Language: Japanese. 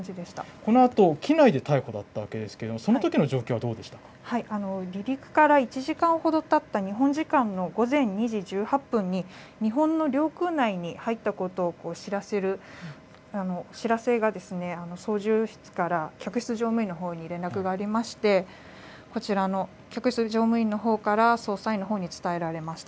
このあと、機内で逮捕だったわけですけれども、そのときの状離陸から１時間ほどたった日本時間の午前２時１８分に、日本の領空内に入ったことを知らせる、知らせが操縦室から客室乗務員のほうに連絡がありまして、こちらの客室乗務員のほうから捜査員のほうに伝えられました。